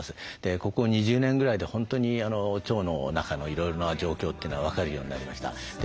ここ２０年ぐらいで本当に腸の中のいろいろな状況というのは分かるようになりました。